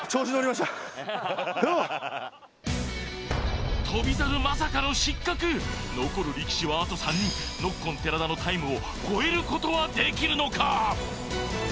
まさかの失格残る力士はあと３人ノッコン寺田のタイムをこえることはできるのか？